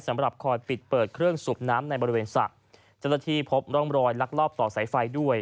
สำหรับคอยปิดเปิดเครื่องสูบน้ำในบริเวณสระเจ้าหน้าที่พบร่องรอยลักลอบต่อสายไฟด้วย